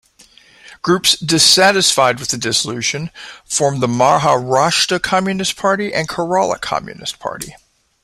Groups dissatisfied with the dissolution formed the Maharashtra Communist Party and Kerala Communist Party.